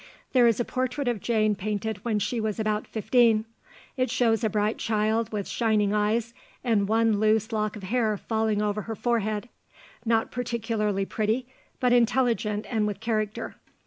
There is a portrait of Jane painted when she was about fifteen. It shows a bright child with shining eyes and one loose lock of hair falling over her forehead; not particularly pretty, but intelligent and with character.